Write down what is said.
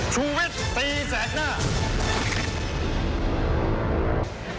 ชูวิทย์ตีแสกหน้า